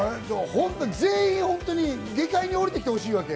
全員ホントに下界に降りて来てほしいわけよ。